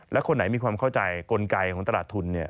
และคนไหนมีความเข้าใจกลไกของตลาดทุน